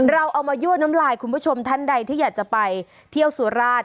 เราเอามายั่วน้ำลายคุณผู้ชมท่านใดที่อยากจะไปเที่ยวสุราช